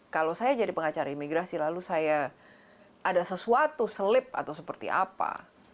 kalau saya jadi pengacara imigrasi lalu saya ada sesuatu selip atau seperti apa